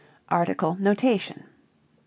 article notation.)